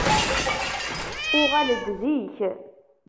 Uɣal-d zik!